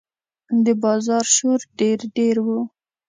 د بازار شور ډېر ډېر و.